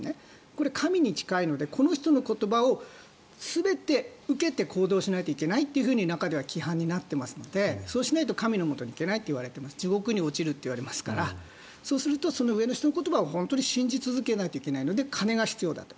これ神に誓うのでこの人の言葉を全て受けて行動しないといけないと中では規範になっていますのでそうしないと神のもとへ行けないと地獄へ落ちるといわれますからそうするとその上の人の言葉を信じ続けないといけないので金が必要だと。